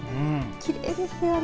きれいですよね。